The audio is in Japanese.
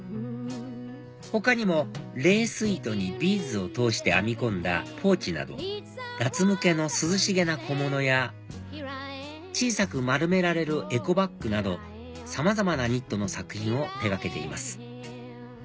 他にもレース糸にビーズを通して編み込んだポーチなど夏向けの涼しげな小物や小さく丸められるエコバッグなどさまざまなニットの作品を手がけています